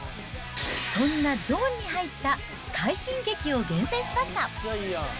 そんなゾーンに入った快進撃を厳選しました。